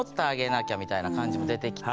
みたいな感じも出てきて。